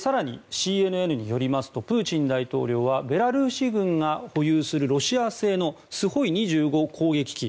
更に、ＣＮＮによりますとプーチン大統領はベラルーシ軍が保有するロシア製のＳｕ−２５攻撃機。